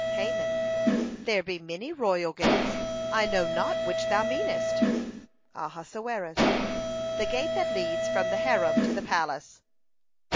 Haman: "There be many royal gates; I know not which thou meanest." Ahasuerus: "The gate that leads from the harem to the palace."